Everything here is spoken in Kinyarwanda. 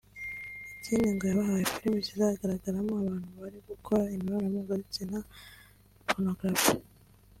Ikindi ngo yabahaye film zigaragaramo abantu bari gukora imibonano mpuzabitsina (pornography)